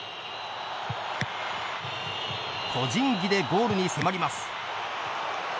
個人技でゴールに迫ります。